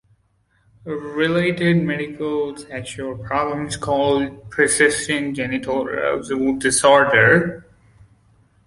A related medical sexual problem is called Persistent genital arousal disorder.